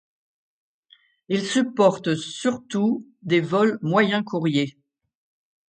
Il supporte surtout des vols moyens courriers.